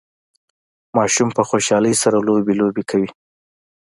ماشوم په خوشحالۍ سره لوبي لوبې کوي